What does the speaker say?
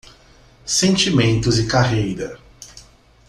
Sentimentos e carreira